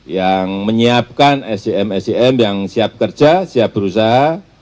yang menyiapkan sdim sdim yang siap kerja siap berusaha